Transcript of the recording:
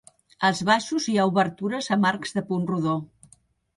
Als baixos hi ha obertures amb arcs de punt rodó.